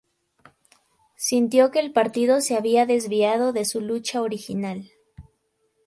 Sintió que el partido se había desviado de su lucha original.